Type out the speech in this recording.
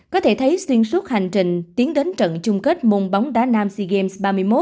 có thể thấy xuyên suốt hành trình tiến đến trận chung kết môn bóng đá nam sea games ba mươi một